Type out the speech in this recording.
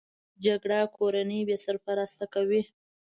جګړه کورنۍ بې سرپرسته کوي